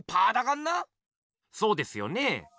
そうですよね。